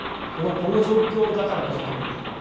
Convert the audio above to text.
この状況だからこそ特に。